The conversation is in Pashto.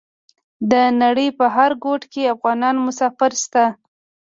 د نړۍ په هر ګوټ کې افغانان مسافر شته.